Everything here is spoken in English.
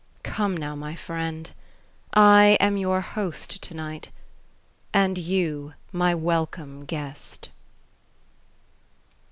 Come now, my friend, I am your host to night. And you my welcome guest.